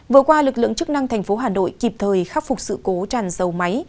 vừa qua lực lượng chức năng tp hà nội kịp thời khắc phục sự cố tràn dầu máy